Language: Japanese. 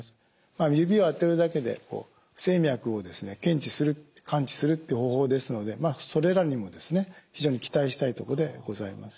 指をあてるだけで不整脈を検知する感知するっていう方法ですのでそれらにも非常に期待したいとこでございます。